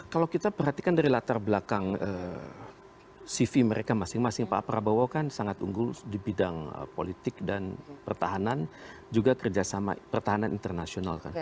kalau kita perhatikan dari latar belakang cv mereka masing masing pak prabowo kan sangat unggul di bidang politik dan pertahanan juga kerjasama pertahanan internasional kan